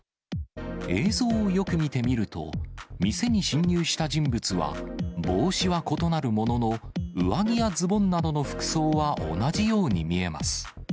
映像をよく見てみると、店に侵入した人物は、帽子は異なるものの、上着やズボンなどの服装は同じように見えます。